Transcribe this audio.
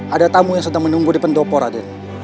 ada tamu yang sedang menunggu di pendopo raden